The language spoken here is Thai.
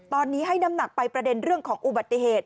ตอนนี้ให้น้ำหนักไปประเด็นเรื่องของอุบัติเหตุ